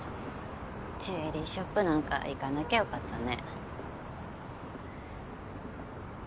ジュエリーショップなんか行かなきゃ良かったね。